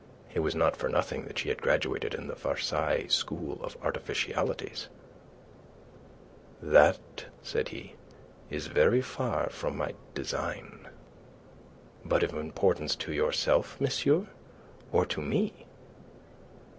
It was not for nothing that she had graduated in the Versailles school of artificialities. "That," said he, "is very far from my design." "But of importance to yourself, monsieur, or to me?"